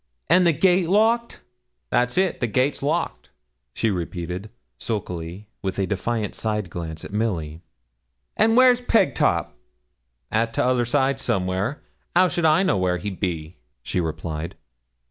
'And the gate locked.' 'That's it the gate locked,' she repeated, sulkily, with a defiant side glance at Milly. 'And where's Pegtop?' 'At t'other side, somewhere; how should I know where he be?' she replied.